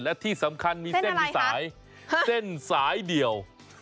และที่สำคัญมีเส้นมีสายเส้นสายเดี่ยว